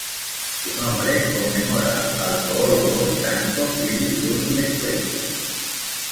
Su nombre conmemora al zoólogo británico Philip Lutley Sclater.